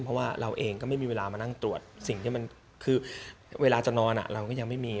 เพราะว่าเราเองก็ไม่มีเวลามานั่งตรวจสิ่งที่มันคือเวลาจะนอนเราก็ยังไม่มี